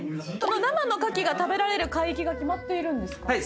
生のカキが食べられる海域が決まっているんですか？